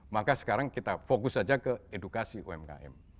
maka sekarang kita fokus saja ke edukasi umkm